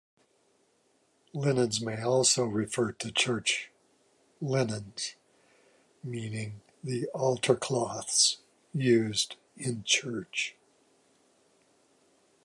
"Linens" may also refer to church linens, meaning the altar cloths used in church.